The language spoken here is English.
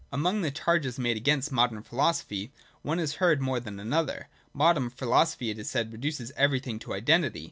Among the charges made against modern philosophy, one is heard more than another. Modern philosophy, it is said, reduces everything to identity.